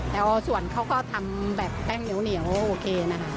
แต่ว่าส่วนเขาก็ทำแบบแป้งเหนียวโอเคนะคะ